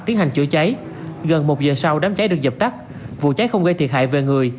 tiến hành chữa cháy gần một giờ sau đám cháy được dập tắt vụ cháy không gây thiệt hại về người